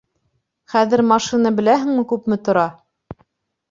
Хәҙер машина беләһеңме күпме тора?